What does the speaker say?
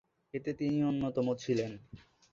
এতে তিনিও অন্যতম ছিলেন।